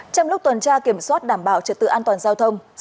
trong lúc tuần tra kiểm soát đảm bảo trật tự an toàn giao thông